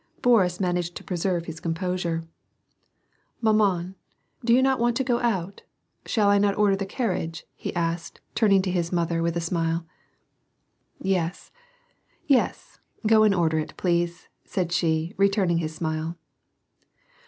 Boris managed to preserve his com posure. 46 WAR AND PEACE. " Maman, do you not want to go out ? Shall I not order the carriage," he asked, turning to his mother with a smile. " Yes, yes, go and order it, please," said she, returning his smile.